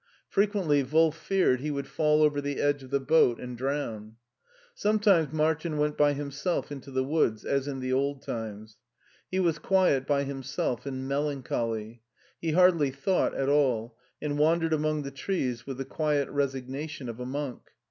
Frequently Wolf feared he would fall over the edge of the boat and drown. Sometime^ Martin went by himself into the woods, as in the old times. He was quiet by himself, and melancholy; he hardly thought at all, and wandered among the trees with the quiet resignation of a monk.